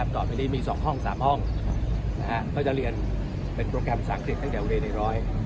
ต่อไปนี้มี๒ห้อง๓ห้องก็จะเรียนเป็นโปรแกรมภาษาอังกฤษตั้งแต่เรียนในร้อย